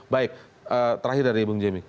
baik terakhir dari ibu njemi